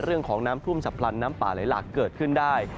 เรื่องของน้ำท่วมฉับพลันน้ำป่าไหลหลากเกิดขึ้นได้